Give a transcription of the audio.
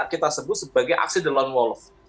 kita sebut sebagai aksi the lone wolf